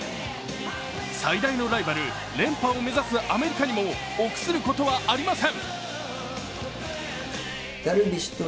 最大のライバル、連覇を目指すアメリカにも臆することはありません。